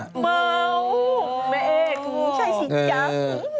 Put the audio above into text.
อ๋อแม่เอกใช่สิจ๊ะ